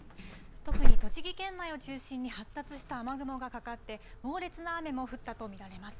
特に栃木県内を中心に発達した雨雲がかかって、猛烈な雨も降ったと見られます。